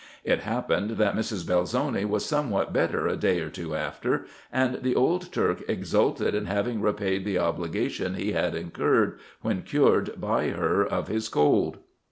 It happened, that Mrs. Belzoni was somewhat better a day or two after, and the old Turk exulted in having repaid the obligation he had incurred, when cured by her of his cold.